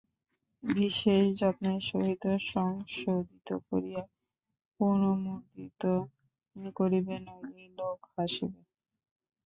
বিশেষ যত্নের সহিত সংশোধিত করিয়া পুনর্মুদ্রিত করিবে, নইলে লোক হাসিবে।